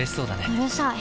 うるさい。